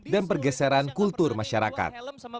dan pergeseran kultur masyarakat